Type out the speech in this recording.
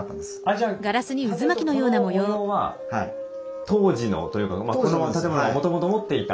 じゃあ反対に言うとこの模様は当時のというかこの建物がもともと持っていた。